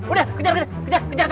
udah kejar kejar kejar